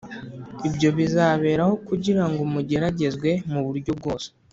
Ibyo bizaberaho kugira ngo mugeragezwe mu buryo bwose